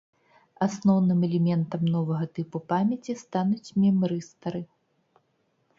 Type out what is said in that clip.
Асноўным элементам новага тыпу памяці стануць мемрыстары.